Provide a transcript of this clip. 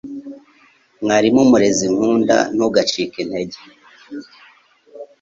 mwarimu murezi nkunda ntugacike intege